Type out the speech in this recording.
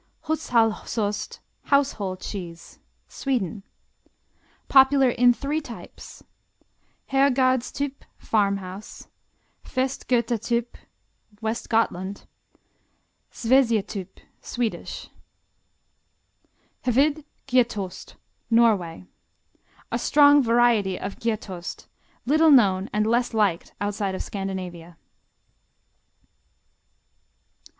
Hushållsost, Household Cheese Sweden Popular in three types: Herrgårdstyp Farmhouse Västgötatyp Westgotland Sveciatyp Swedish Hvid Gjetost Norway A strong variety of Gjetost, little known and less liked outside of Scandinavia.